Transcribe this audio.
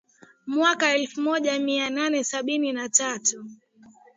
mwaka elfu moja mia nane sabini na tatu